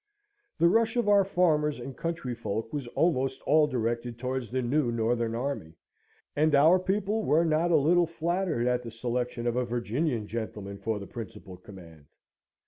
The rush of our farmers and country folk was almost all directed towards the new northern army; and our people were not a little flattered at the selection of a Virginian gentleman for the principal command.